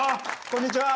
こんにちは。